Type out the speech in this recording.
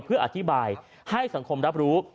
เพื่ออธิบายให้สังคมรับรู้